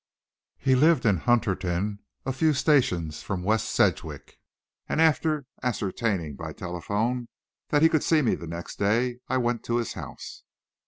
He lived in Hunterton, a few stations from West Sedgwick, and, after ascertaining by telephone that he could see me the next day, I went to his house.